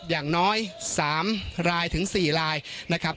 อย่างน้อย๓รายถึง๔รายนะครับ